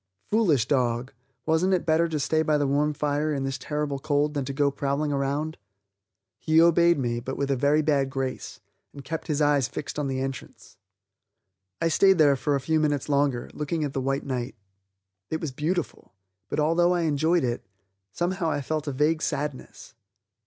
Foolish dog, wasn't it better to stay by the warm fire in this terrible cold than to go prowling around. He obeyed me, but with a very bad grace, and kept his eyes fixed on the entrance. I stayed there for a few minutes longer, looking at the white night. It was beautiful, but although I enjoyed it, somehow I felt a vague sadness.